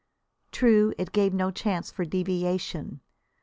True, it gave no chance for deviation.